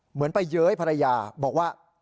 เหมือนไปเย้ยภรรยาบอกว่า